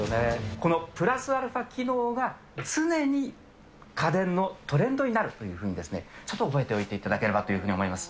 このプラスアルファ機能が、常に家電のトレンドになるというふうに、ちょっと覚えておいていただければと思います。